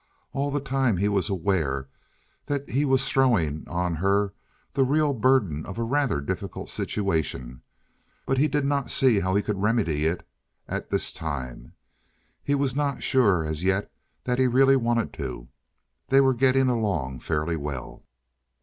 All the time he was aware that he was throwing on her the real burden of a rather difficult situation, but he did not see how he could remedy it at this time. He was not sure as yet that he really wanted to. They were getting along fairly well.